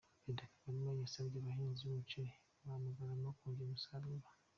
Perezida Kagame yasabye abahinzi b’umuceri ba Bugarama kongera umusaruro